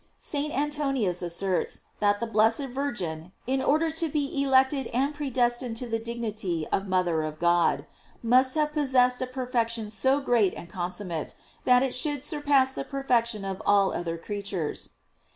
§ St. Antoninus asserts that the blessed Virgin, in order to be elected and predestined to the dignity of mother of God, must have possessed a perfection so great and consummate, that it should surpass the perfection of all other creatures.